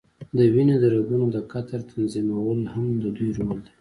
د وینې د رګونو د قطر تنظیمول هم د دوی رول دی.